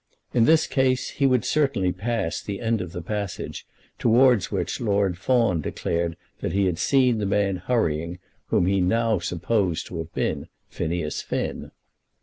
In this case he would certainly pass the end of the passage towards which Lord Fawn declared that he had seen the man hurrying whom he now supposed to have been Phineas Finn.